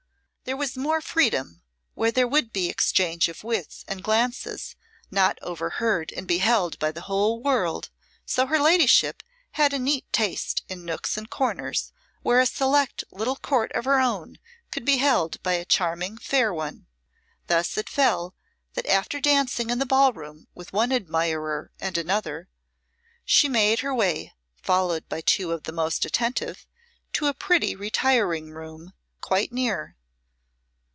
There was more freedom where there would be exchange of wits and glances, not overheard and beheld by the whole world; so her ladyship had a neat taste in nooks and corners, where a select little court of her own could be held by a charming fair one. Thus it fell that after dancing in the ball room with one admirer and another, she made her way, followed by two of the most attentive, to a pretty retiring room quite near.